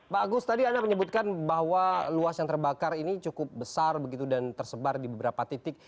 pak agus tadi anda menyebutkan bahwa luas yang terbakar ini cukup besar begitu dan tersebar di beberapa titik